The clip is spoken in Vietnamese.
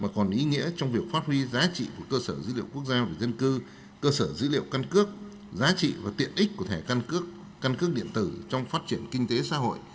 cơ sở dữ liệu quốc gia và dân cư cơ sở dữ liệu căn cước giá trị và tiện ích của thẻ căn cước căn cước điện tử trong phát triển kinh tế xã hội